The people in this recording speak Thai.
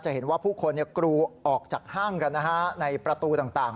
เห็นว่าผู้คนกรูออกจากห้างกันในประตูต่าง